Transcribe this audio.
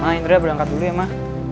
ma indra berangkat dulu ya ma